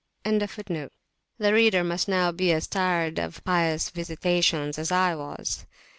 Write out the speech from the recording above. [FN#14] [p.255] The reader must now be as tired of Pious Visitations as I was.